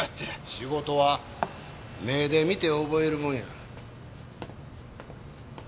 仕事は目で見て覚えるもんや。